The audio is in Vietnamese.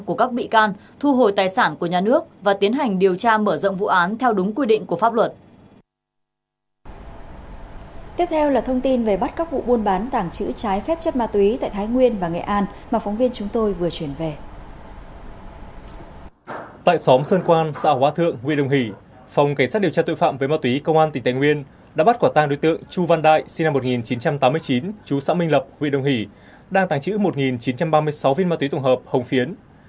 chu văn đại sinh năm một nghìn chín trăm tám mươi chín chú xã minh lập nguyên đồng hỷ đang tảng chữ một chín trăm ba mươi sáu viên ma túy tổng hợp hồng phiến